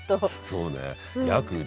そうね。